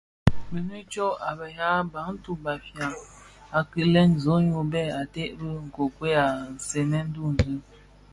Diňi tsôg a be yaa Bantu (Bafia) a kilè zonoy bèè ated bi nkokuel nsènèn duňzi,